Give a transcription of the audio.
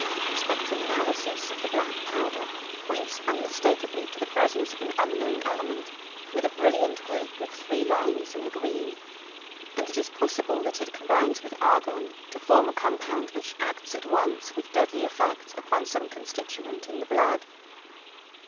Spectrum analysis of the black powder points unmistakably to the presence of an unknown element with a brilliant group of three lines in the green, and it is possible that it combines with argon to form a compound which acts at once with deadly effect upon some constituent in the blood.